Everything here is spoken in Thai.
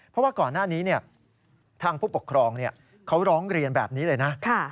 เพราะว่าก่อนหน้านี้ทางผู้ปกครองเขาร้องเรียนแบบนี้เลยนะ